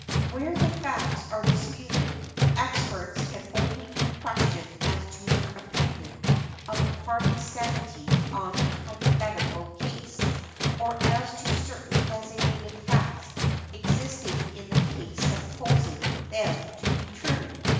Where the facts are disputed, experts can only be questioned as to their opinion of a party's sanity on a hypothetical case, or as to certain designated facts existing in the case supposing them to be true .